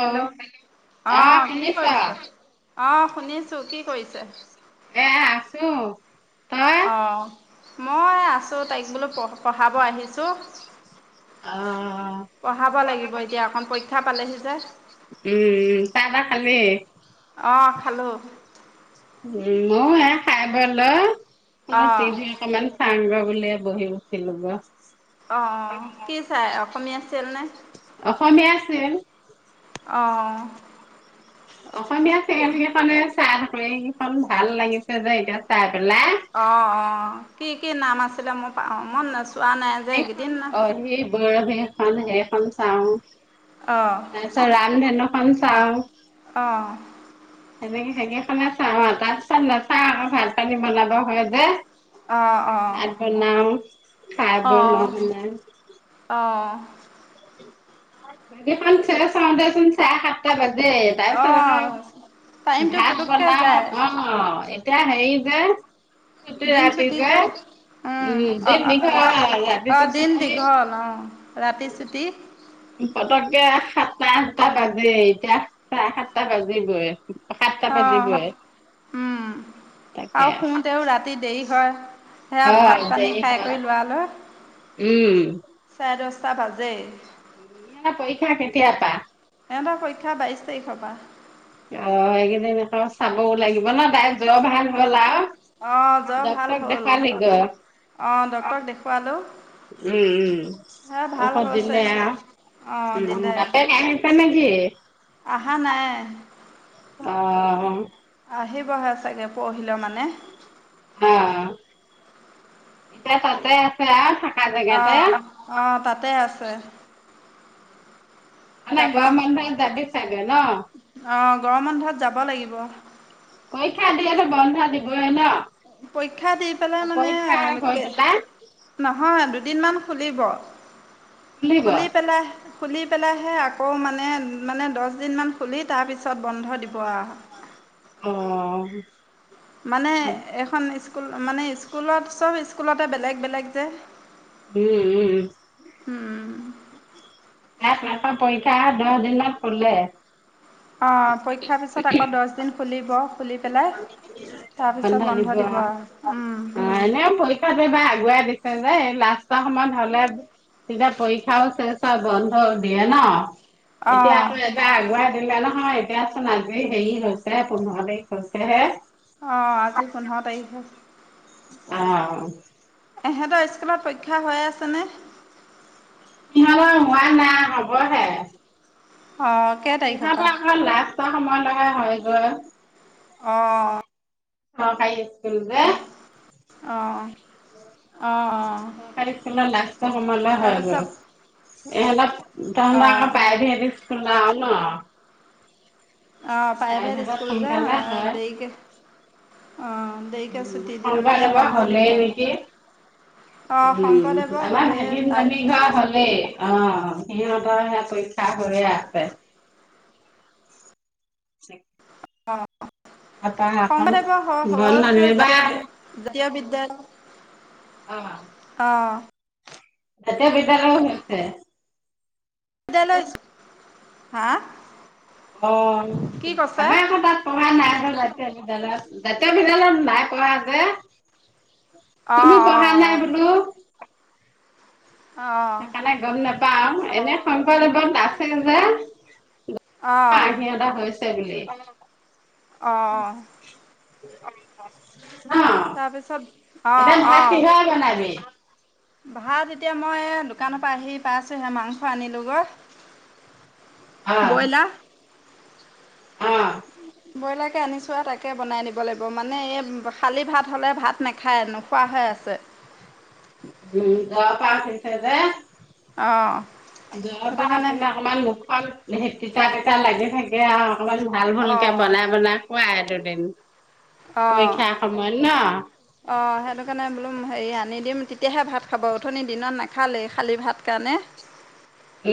Hello আহ কি কৰিছে? অঁ শুনিছো। কি কৰিছে? এ আছো। তই অঁ মই আছোঁ। তাইক বোলো পঢ পঢ়াব আহিছোঁ। অ পঢ়াব লাগিব এতিয়া অকন পৰীক্ষা পালেহি যে। উম উম। চাহ তাহ খালেই? অঁ খালো। উম মইও এ খাই বৈ লৈ বোলো অঁ টিভি অকমান চাংগৈ বুলিয়েই বহি লৈছিলো গৈ। অ অ কি চাই অসমীয়া ছিৰিয়েল নে? অসমীয়া চিৰিয়েল অঁ। অসমীয়া ক। সেইখনে চাই থাকো। সেইখন ভাল লাগিছে যে এতিয়া চাই পেলাই। অঁ অঁ কি কি নাম আছিলে? মোৰ মই চোৱা নাই যে এইকেইদিন। পূৰৱী এখন সেইখন চাওঁ। অ। তাৰপিছত ৰানধেনু খন চাওঁ। অঁ। সেনেকে সেইকেইখনে চাওঁ আৰু তাৰপিছত নাচাওঁ আক ভাত পানী বনাব হয় যে। অঁ অ। বনাওঁ খাই বৈ লৈ কেনে অ'। সেইখন ছিৰিয়েল চাওঁতেচোন চাৰে সাতটা বাজেই। তাৰপিছত অঁ আকৌ টাইমটো ভাত পুটুককৈ যায়। বনাওঁ অ', এতিয়া হেৰি যে ছুটি দিন ৰাতি চুটি যে। উম, দিন অ', অ', দীঘল ৰাতিটো ৰা-অ', দিন ছুটি দীঘল অ', ৰাতি চুটি। পতককে সাতটা আঠটা বাজেই, এতিয়া চাৰে সাতটা বাজিবই। সাতটা অ', বাজিবই উম, তাকে আৰু শুতেয়ো ৰাতি দেৰি হয়। সেয়া অ ভাত পানী দেৰি খাই হয় কৰি লোৱা লৈ উম। চাৰে দচটা বাজেই। [unintelligible] পৰীক্ষা কেতিয়া পা? সিহঁতৰ পৰীক্ষা বাইছ তাৰিখৰ পা। অ', এইকিদিন আকৌ চাবও লাগিব ন' তাই জ্বৰ ভাল হ'ল আৰু? অ', জ্বৰ ভাল হ'ল। অ', ডক্তৰক দেখুৱালোঁ। উম, উম। হে ভাল ঔষধ হৈছে দিলে আ এতিয়া অঁ উম, বাপেক আহিছে নেকি? আহা নাই। অ'। আহিবহে চাগে পৰহিলৈ মানে। অ', এতিয়া তাতে আছে আৰু চাক অ', অ', তাতে আছে। মানে গৰম বন্ধত যাবি চাগে ন? অ', গৰম বন্ধত যাব লাগিব। পৰীক্ষা দিয়তো বন্ধ দিবই ন? পৰীক্ষা দি পেলাই মানে পৰীক্ষা হৈ কেই পেলাই নহয় দুদিনমান খুলিব, খুলিব। খুলি পেলাই খুলি পেলাইহে আকৌ মানে মানে দচদিনমান খুলি তাৰপিছত বন্ধ দিব আৰু। অ' মানে উম, এখন ইস্কুল মানে ইস্কুলত চব ইস্কুলতে বেলেগ বেলেগ যে উম, উম। উম [unintelligible] পৰীক্ষা দহ দিনত খুলে। অ', পৰীক্ষাৰ পিছত আকৌ দচদিন খুলিব খুলি পেলাই তাৰপিছত বন্ধ দিব আৰু উম অ', এনেও পৰীক্ষাটো এইবাৰ আগুৱাই দিছে যে, লাষ্টৰ সময়ত হ'লে তেতিয়া পৰীক্ষাও শেষ হয়, বন্ধ দিয়ে ন? এতিয়া অঁ আকৌ এবাৰ আগুৱাই দিলে ন? ন' এতিয়াচোন আজি হেৰি হৈছে পোন্ধৰ তাৰিখ হৈছে হে। অ', আজি পোন্ধৰ তাৰিখহে। অ'। এহেঁতৰ ইস্কুলত পৰীক্ষা হৈয়ে আছেনে? ইহঁতৰ হোৱা নাই হ'বহে। অ', কেই তাৰিখৰ ইহঁতৰ পৰা? আকৌ লাষ্টৰ সময় লৈহে হয়গৈ। অ' চৰকাৰী ইস্কুল যে অ অ [inaudible] অ', চৰকাৰী স্কুল লাষ্ট সময়লৈ তাৰপিছত হয়গৈ ইহতক তহতৰ আকৌ অ', প্ৰায়ভেত স্কুল যাওঁ ন অ প্ৰাইভেট প্ৰাইভেটত স্কুল যে সোনকালে হয় দেৰিকে অ দেৰিকে ছুটি দিয়ে মানে শংকৰদেৱৰ বন্ধ দিব হলেই আৰু। নেকি অ', উম শংকৰদেৱৰ আমাৰ হ'লে তাত ভাগিনজনিঘৰ হলেই অ সিহঁতৰ সে পৰীক্ষা হৈয়ে আছে চ [unintelligible] অঁ শংকৰদেৱৰ স বন্ধ সহজ এইবাৰ জাতীয় জাতীয় বিদ্যালয় অ অঁ জাতিয় বিদ্যালয় হৈছে জাতীয় বিদ্যালয় হা অ কি কৈছে? যাবা আকৌ অ', তাত পঢ়া নাই বোলে জাতীয় বিদ্যালয়ত জাতীয় বিদ্যালয়ত নাই পঢ়া যে কোনো পঢ়া নাই অ', বোলো অঁ সেইকাৰণে গম নাপাও এনে শংকৰদেৱত আছে যে অ', অ', কিবা হৈছে বুলি অ', অ তাৰপিছত এতিয়া অ', ভাত অ'। কিহৰে বনাবি ভাত এতিয়া মই দোকানৰ পৰা আহি পাইছোঁহে মাংস আনিলোগৈ অ বইলা অ ব্ৰইলাকে আনিছোঁ আৰু তাকে বনাই নিব লাগিব মানে এই খালী ভাত হ'লে ভাত নাখায় নোখোৱা হৈ আছে। উম ঘৰৰ পৰা আনিছে যে অঁ জৰ সেইটো পৰাৰ কাৰণে উথিলে অকমান মুখখন তিতা তিতা লাগি থাকে আৰু অকমান ভাল ভুলকে অঁ অঁ বনাই বনাই খোৱা দুদিন পৰীক্ষা সময়ত ন। অঁ সেইটো কাৰণে বোলো হেৰি আনি দিম তেতিয়াহে ভাত খাব উঠনি দিনত নাখালেই খালী ভাত কাৰণে।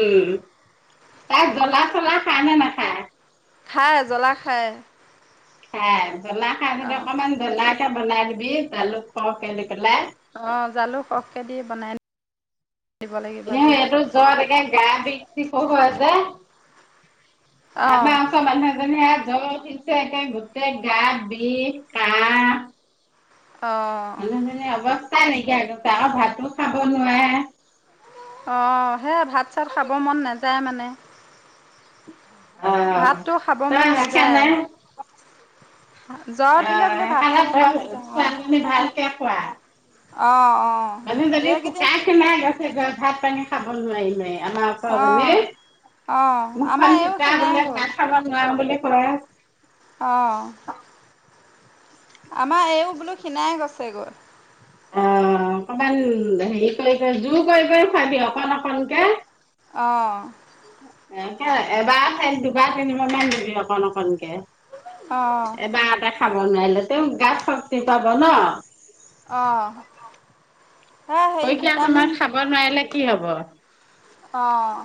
উম তাই জ্বলা চলা খায় নে নাখায়। খাই জ্বলা খায়। খাই জলা খায় অঁ অকমান জলাকে বনাই দিবি জালুক সৰহ কে দি পেলাই। অ' জালুক সৰহকে দি বনাই দিব লাগিব এনে আজি এইটো জৰ একে গা বিক সিখও হয় যে আমাৰ। অঁ আমাৰ ওচৰ মানুহ এজনি জৰ উঠিছে একেই গোটেই গা বিষ কাহ অঁ মানু্হ জনি অৱস্থা নাইকিয়া হৈ গৈছে আৰু ভাতো খাব নোৱাৰে। অঁ সেয়াই ভাত চাত খাব মন নাযায় মানে। আহ ভাতটো খাব তই মন নাযায়। সেইকাৰণে জ্বৰ উঠিলে বোলো ভাত আহ খাব সেইকাৰণে মন তই নাযায় অ ছোৱালীজনী ভালকে অঁ অঁ মানুহ যদি শুকাই শিনাই গৈছেগৈ ভাত পানি খাব নোৱাৰি নোৱাৰি আমাৰ ওচৰৰ অ জনি অ আমাৰ মুখখন এইও তিতা খীণাই বোলে গ'ল ভাত খাব নোৱাৰো বুলি কয়। অঁ। আমাৰ এইও বোলো খিনাই গৈছে গৈ। অ' অকমান হেৰি কৰি জোৰ কৰি কৰি খোৱাবি অকন অকনকে। অঁ। এ এবাৰ ঠাইত দুবাৰ তিনি বাৰমান দিবি অকন অকনকে। অ এবাৰতে খাব নোৱাৰিলে, তেওঁ গাত শক্তি পাব ন। অঁ। পৰীক্ষা সময়ত খাব নোৱাৰিলে কি হব। অঁ।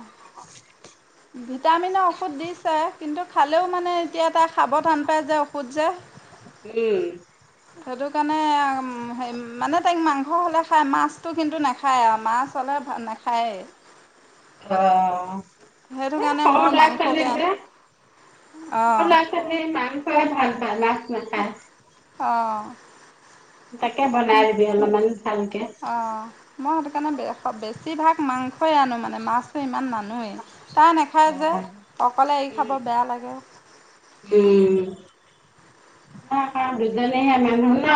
ভিটামিন ঔষধ দিছে, কিন্তু খালেও মানে এতিয়া তাই খাব তান পায় যে ঔষধ যে। [inaudible] উম। [inaudible] সেইটো কাৰণে হে মানে তাইক মাংস হ'লে খায়, মাছটো কিন্তু নাখায় আৰু মাছ হ'লে নাখায়। খায়ইয়ে। সেইটো অ' এই কাৰণে সৰু মই লৰা-ছোৱালী মাংসকে যে সৰু অঁ লৰা সৰু লৰা-ছোৱালী মাংসই ভাল পায়। নাখায়। অ'। তাকে বনাই দিবি অলমান ভালকে। অঁ মই সেইটো কাৰণে বেছিভাগ মাংসই আনো, মানে মাছটো ইমান নানোৱেই। তাই নাখায় যে, অকলে এৰি খাব বেয়া লাগে। উম। [unintelligible] দুজনীহে মানুহ ন,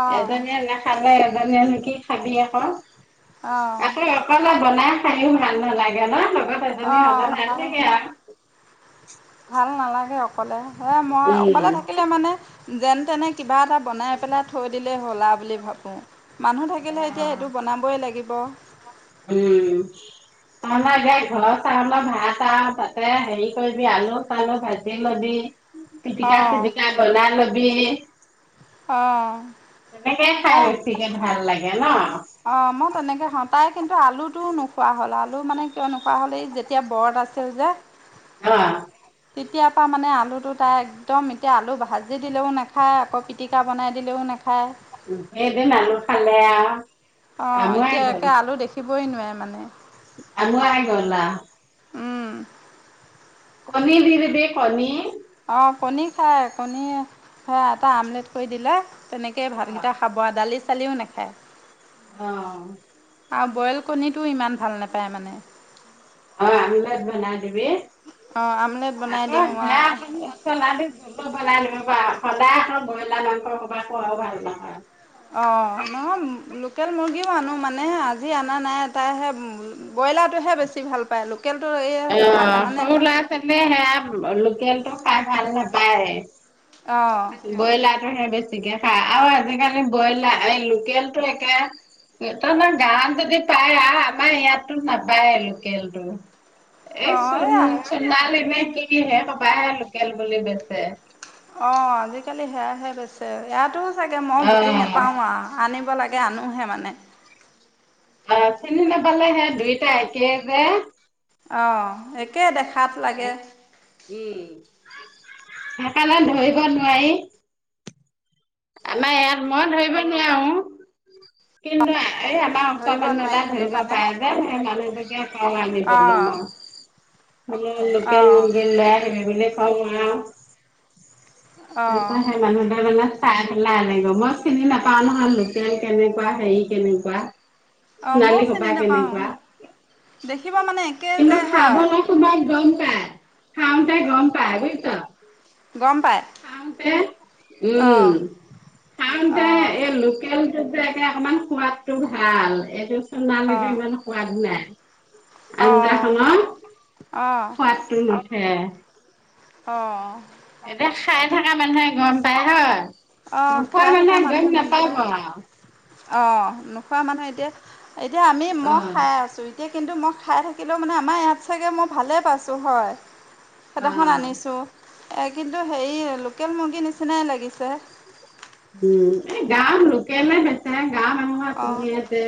অঁ এজনীয়ে নাখ খালে এজনীয়েনো কি খাবি আক। আহ। অকলে বনাই খাইও ভাল নালাগে ন, লগত এজনী হলে ভাল লাগে আও। ভাল নালাগে অকলে সে মই অকলে উম, থাকিলে মানে যেন তেনে কিবা এটা বনাই পেলাই থৈ দিলেই হ'লা বুলি ভাবোঁ। মানুহ থাকিলে এতিয়া অ', সেইটো বনাবই লাগিব। উম। [unintelligible] ঘৰ চাউল ভাত আও, তাতে হেৰি কৰিবি আলু-চালু ভাজি লবি। অঁ পিটিকা-চিটিকা বনাই লবি। অঁ তেনেকে খাই বেছিকে ভাল লাগে ন। অ' মই তেনেকে খাওঁ, তাই কিন্তু আলুটোও নোখোৱা হ'ল আল আলু মানে কিয় নোখোৱা হ'ল, এই যেতিয়া বৰত আছে যে। অঁ। তেতিয়া পাৰা মানে আলুটো তাই একদম এতিয়া আলু ভাজি দিলেও নাখায়, আকৌ পিটিকা বনাই দিলেও নাখায়। [unintelligible] খালে আও। অঁ, এতিয়া একে আলু দেখিবই নোৱাৰে মানে। আমুৱাই গল আও। উম। কণী দি দিবি কণী। অ' কণী খায়, কণী সেই এটা আমলেট কৰি দিলে তেনেকেই অ ভাতকেইটা খা বৰা দালি চালিও নেখায় অ আৰু বইল কণীটোও ইমান ভাল নেপায় মানে অ আমলেট বনাই দিবি অঁ আমলেট বনাই আকৌ দিওঁ সেয়া আকনো আৰু মছলা দিব বনাই তেনুকা সদায় আক ব্ৰইলাৰ মাংস হোপা খোৱাও ভাল নহয় অঁ নহয় লোকেল মুৰ্গীও আনো মানে আজি অনা নাই তাইহে ব্ৰইলাৰটোহে বেছি ভাল পায় লোকেলটো এই হা মানে তেনে সেয়া লোকেল টো খাই ভাল নাপায় অঁ ব্ৰইলাৰটোহে বেছিকে খাই আৰু আজিকালি ব্ৰইলাৰ এই লোকেল টো একে তহতৰ গাৱত যদি পায় আ আমাৰ ইয়াততো নাপায় লোকেলটো এই চ অঁ এয়া চোণাল এনে কিহে হোপাহে লোকেল বুলি বেছে অ আজিকালি সেয়াহে বেছে ইয়াতো চাগে মই বুজি অ', নাপাও আ আনিব লাগে আনোহে মানে অ চিনি নাপালে হে দুইটা একেহে অ একে দেখাত লাগে উম সেকাণে ধৰিব নোৱাৰি আমাৰ ইয়াত মই ধৰিব নোৱাও কিন্তু এই আমাৰ ওচৰ ধৰিব মানুহ নোৱাৰি এটা সেইটো ধৰিব কাৰণে পাৰে যে সেই মানুহটোকে কওঁ আনি বলৈ মই [unintelligible] বোলো লোকেল অঁ মূৰ্গী লৈ আহিবি বুলি কও মই আউ অঁ তাপা সেই মানুহটোৱে মানে চাই পেলাই আনেগৈ মই চিনি নাপাও নহয় লোকেল কেনেকুৱা হেৰি কেনেকুৱা অঁ ময়ো সোণালী চিনি সবা নাপাওঁ কেনেকুৱা দেখিব মানে একেই যে কিন্তু হয় খাবলে তোমাৰ গম পায় খাওঁতে গম পায় বুইছ গম পায় খাওঁতে উম অঁ খাওতে অঁ এই লোকেলটো যে একে অকমান সোৱাদ টো ভাল এইটো সোণালীটো অঁ ইমান সোৱাদ নাই আঞ্জা অ', খনৰ অ', সোৱাদ উম নুঠে অঁ এতিয়া খাই থকা মানুহে গম পায় হয় অ', নোখোৱা খাই থকা মানুহে গম নাপাব পায়। অ নোখোৱা মানুহ এতিয়া এতিয়া আমি ম অ', খাই আছো এতিয়া কিন্তু মই খাই থাকিলেও মানে আমাৰ ইয়াত চাগে মই ভালেই পাইছোঁ হয় সেইদাখন অ'। আনিছো এ কিন্তু হেৰি লোকেল মুৰ্গীৰ নিচিনাই লাগিছে উম এই গাৱত লোকেলে বেচ গাৱৰ মানুহৰ অ', পোহোনিয়াতে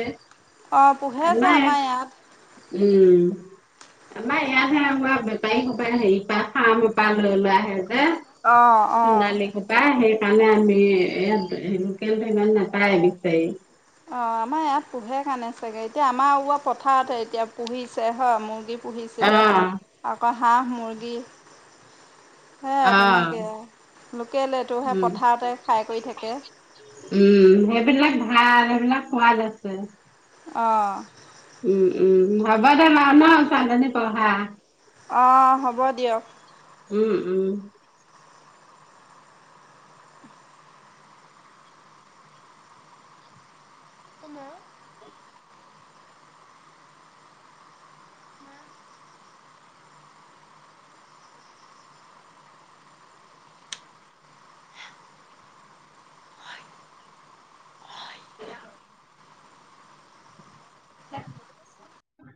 অ', পোহে যে আমাৰ ইয়াত, নাই উম আমাৰ ইয়াতহে আমাৰ বেপাৰী সোপাই হেৰি পা ফাৰ্মৰ পা লৈ লোৱা আহে অ', যে অ'। চুণালী সোপা সেই কাৰণে আমি ইয়াত লোকেলটো ইমান নাপায় বিচাৰি অ আমাৰ ইয়াত পোহে কাৰণে চাগে এতিয়া আমাৰ ওৱা পথাৰতে এতিয়া পুহিছে হয় মুৰ্গী পুহিছিলে অ', আকৌ হাঁহ মুৰ্গী সেয়া অ', তেনেকে আউ লোকেলেটো সে উম। পথাৰতে খাই কৰি থাকে উম সেইবিলাক ভাল সেইবিলাক সোৱাদ আছে অ উম উম হব দে মা ন, ছোৱালী জনী পঢ়া। অঁ হ'ব দিয়ক। উম উম। [unintelligible] [unintelligible]